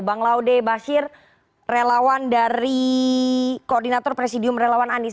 bang laude bashir relawan dari koordinator presidium relawan anies